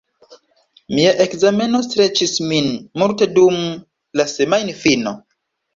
Mia ekzameno streĉis min multe dum la semajnfino.